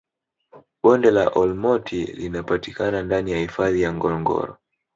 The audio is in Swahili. bonde la olmoti linapatikana ndani ya hifadhi ya ngorongoro